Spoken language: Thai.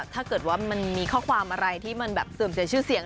ถ้าเกิดว่ามันมีข้อความอะไรที่มันแบบเสื่อมเสียชื่อเสียง